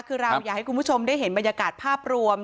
คือเราอยากให้คุณผู้ชมได้เห็นบรรยากาศภาพรวม